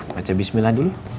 baca bismillah dulu